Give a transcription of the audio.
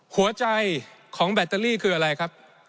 หัวใจของแบตเตอรี่คืออะไรครับ